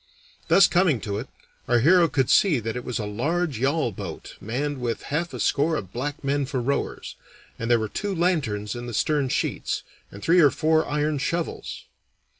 Thus coming to it, our hero could see that it was a large yawl boat manned with half a score of black men for rowers, and there were two lanterns in the stern sheets, and three or four iron shovels.